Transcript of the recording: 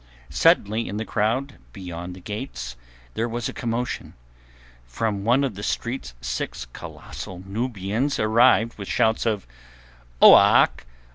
Suddenly in the crowd beyond the gates there was a commotion. From one of the streets six colossal Nubians advanced with shouts of— "Oak!